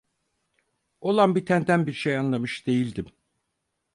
Olan bitenden bir şey anlamış değildim.